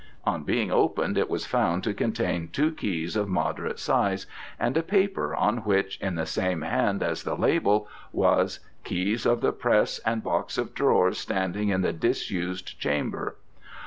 On being opened it was found to contain two keys of moderate size, and a paper, on which, in the same hand as the label, was 'Keys of the Press and Box of Drawers standing in the disused Chamber.'